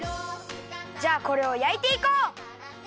じゃあこれをやいていこう！